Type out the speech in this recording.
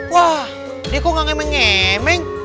wah dia kok gak ngemeng ngemeng